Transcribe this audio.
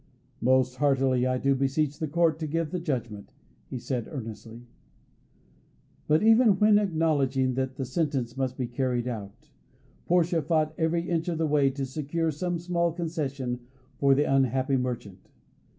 "Most heartily I do beseech the court to give the judgment," he said earnestly. But even when acknowledging that the sentence must be carried out, Portia fought every inch of the way to secure some small concession for the unhappy merchant.